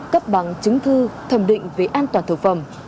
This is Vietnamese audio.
cấp bằng chứng thư thẩm định về an toàn thực phẩm